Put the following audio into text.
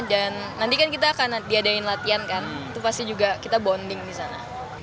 dan nanti kan kita akan diadain latihan kan itu pasti juga kita bonding di sana